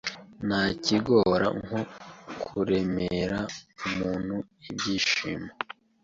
nta kigora nko kuremera umuntu ibyishimo